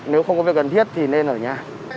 nếu không có việc cần thiết thì nên ở nhà